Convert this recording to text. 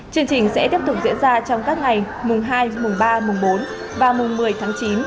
chương trình sẽ tiếp tục diễn ra trong các ngày mùng hai mùng ba mùng bốn và mùng một mươi tháng chín